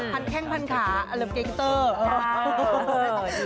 พันแข้งพันขาอะไรบ๊วยเกมได้